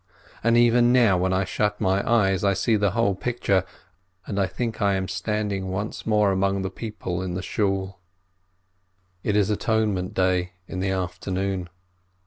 And even now, when I shut my eyes, I see the whole picture, and I think I am standing once more among the people in the Shool. It is Atonement Day in the afternoon.